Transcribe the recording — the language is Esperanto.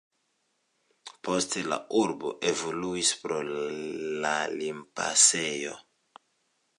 Poste la urbo evoluis pro la limpasejo.